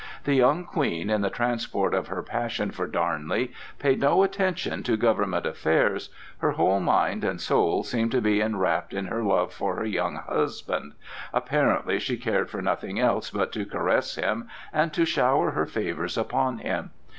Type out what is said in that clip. The young Queen in the transport of her passion for Darnley paid no attention to government affairs; her whole mind and soul seemed to be enwrapped in her love for her young husband; apparently she cared for nothing else but to caress him and to shower her favors upon him.